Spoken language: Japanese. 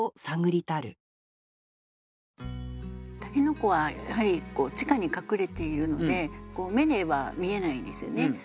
筍はやはり地下に隠れているので目では見えないんですよね。